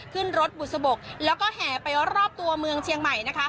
ขึ้นรถบุษบกและแห่ไปรอบตัวเมืองเชียงใหม่